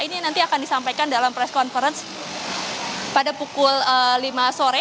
ini nanti akan disampaikan dalam press conference pada pukul lima sore